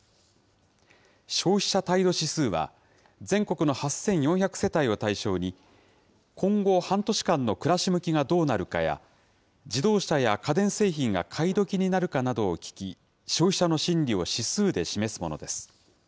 消費者態度指数は、全国の８４００世帯を対象に、今後半年間の暮らし向きがどうなるかや、自動車や家電製品が買いどきになるかなどを聞き、消費者の心理を指数で示すものです。